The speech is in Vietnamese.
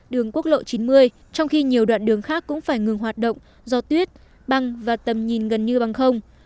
đường quốc lộ chín mươi trong khi nhiều đoạn đường khác cũng phải ngừng hoạt động do tuyết băng và tầm nhìn gần như bằng không